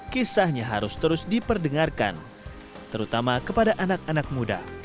kisahnya harus terus diperdengarkan terutama kepada anak anak muda